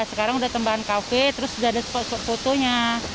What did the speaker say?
sekarang sudah tembahan kafe terus sudah ada spot spot fotonya